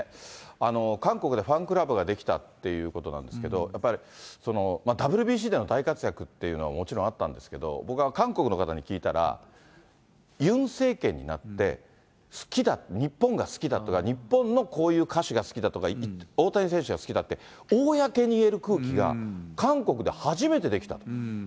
韓国でファンクラブが出来たっていうことなんですけど、やっぱり、ＷＢＣでの大活躍っていうのはもちろんあったんですけど、僕は韓国の方に聞いたら、ユン政権になって、好きだ、日本が好きだとか、日本のこういう歌手が好きだとか、大谷選手が好きだって公に言える空気が、韓国で初めて出来たと。